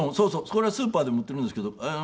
これはスーパーでも売っているんですけど。